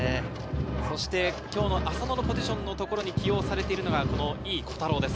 今日の浅野のポジションのところに起用されているのが井伊虎太郎です。